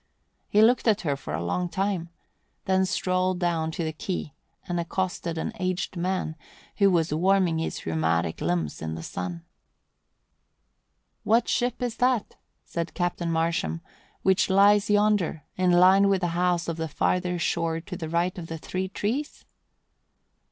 He looked at her a long time, then strolled down to the quay and accosted an aged man who was warming his rheumatic limbs in the sun. "What ship is that," said Captain Marsham, "which lies yonder, in line with the house on the farther shore to the right of the three trees?"